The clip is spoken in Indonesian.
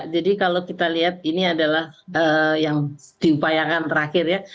jadi kalau kita lihat ini adalah yang diupayakan terakhir ya